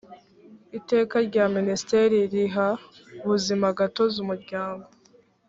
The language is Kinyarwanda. iteka rya minisiteri riha buzimagatozi umuryango